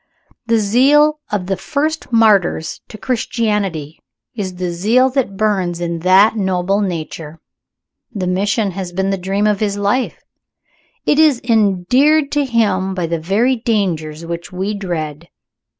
The zeal of the first martyrs to Christianity is the zeal that burns in that noble nature. The Mission has been the dream of his life it is endeared to him by the very dangers which we dread.